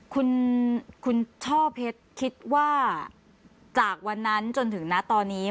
คุณช่อเพชรคิดว่าจากวันนั้นจนถึงนะตอนนี้